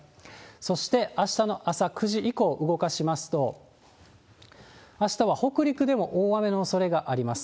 そして、あしたの朝９時以降、動かしますと、あしたは北陸でも大雨のおそれがあります。